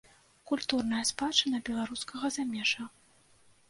Культурная спадчына беларускага замежжа.